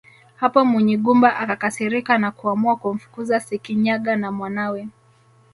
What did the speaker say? Hapo Munyigumba akakasirika na kuamua kumfukuza Sekinyaga na mwanawe